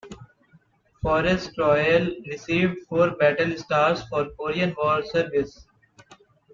"Forrest Royal" received four battle stars for Korean War service.